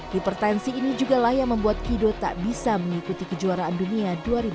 hipertensi ini juga lah yang membuat kido tak bisa mengikuti kejuaraan dunia dua ribu dua puluh